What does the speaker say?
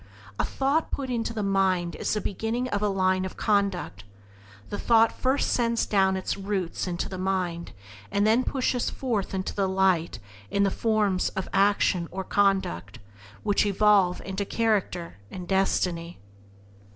A thought put into the mind is the beginning of a line of conduct: the thought first sends down its roots into the mind, and then pushes forth into the light in the forms of actions or conduct, which evolve into character and destiny.